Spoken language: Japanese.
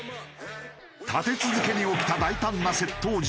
立て続けに起きた大胆な窃盗事件。